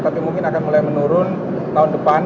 tapi mungkin akan mulai menurun tahun depan